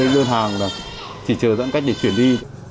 đơn hàng chỉ chờ giãn cách để chuyển đi